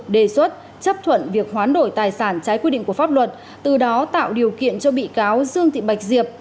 đề xuất chấp thuận việc hoán đổi tài sản trái quy định của pháp luật từ đó tạo điều kiện cho bị cáo dương thị bạch diệp